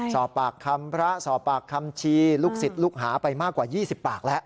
สอบปากคำพระสอบปากคำชีลูกศิษย์ลูกหาไปมากกว่า๒๐ปากแล้ว